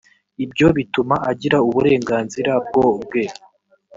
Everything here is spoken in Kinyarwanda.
ibyo bituma agira uburenganzira bwo bwe